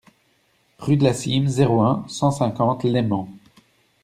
Rue de la Cîme, zéro un, cent cinquante Leyment